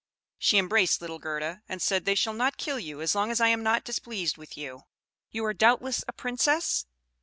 She embraced little Gerda, and said, "They shall not kill you as long as I am not displeased with you. You are, doubtless, a Princess?"